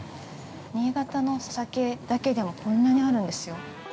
新潟のお酒だけでもこんなにあるんですよ。